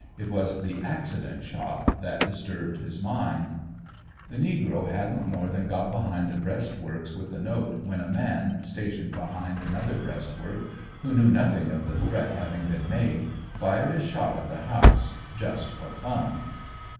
It was the accident shot that disturbed his mind. The negro hadn't more than got behind the breastworks with the note when a man, stationed behind another breastwork, who knew nothing of the threat having been made, fired a shot at the house "just for fun."